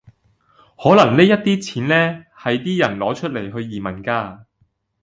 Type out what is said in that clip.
可能呢一啲錢呢，係啲人攞出嚟去移民㗎